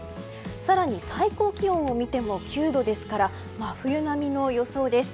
更に最高気温を見ても９度ですから真冬並みの予想です。